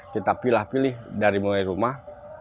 kita pilih pilih dari mulai rumah